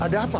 ada apa mas